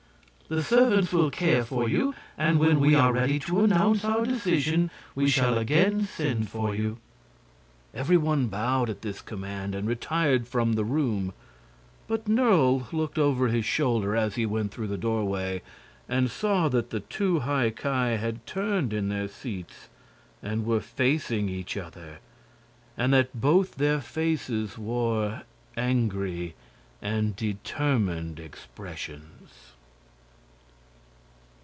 The servants will care for you, and when we are ready to announce our decision we shall again send for you." Every one bowed at this command and retired from the room; but Nerle looked over his shoulder as he went through the doorway, and saw that the two High Ki had turned in their seats and were facing each other, and that both their faces wore angry and determined expressions.